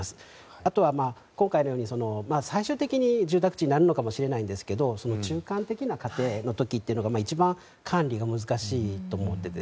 あとは、今回のような最終的に住宅地になるかもしれませんが中間的な過程の時ってのが一番、管理が難しいと思ってて。